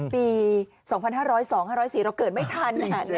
ปี๒๕๐๒๕๐๔เราเกิดไม่ทัน